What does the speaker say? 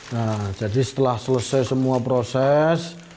nah jadi setelah selesai semua proses